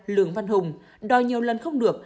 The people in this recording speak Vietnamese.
lường văn hùng đòi nhiều lần không được